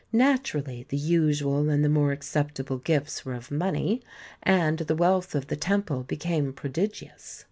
Naturally the usual and the more acceptable gifts were of money, and the wealth of the temple became prodigious.